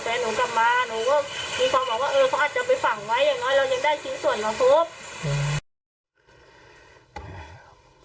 แฟนหนูกลับมาหนูก็มีความหวังว่าเออเขาอาจจะไปฝังไว้อย่างน้อยเรายังได้ชิ้นส่วนมาครบ